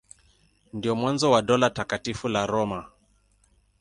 Ndio mwanzo wa Dola Takatifu la Roma.